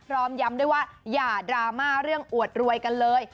พร้อมย้ำด้วยว่าอย่าดราม่าเรื่องอวดรวยกันเลย